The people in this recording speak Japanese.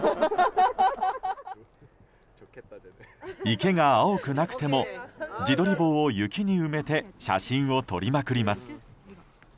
池が青くなくても自撮り棒を雪に埋めて写真を撮りまくります。